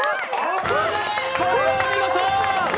これはお見事！